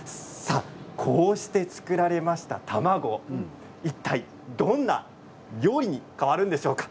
こうして作られた卵いったいどんな料理に変わるんでしょうか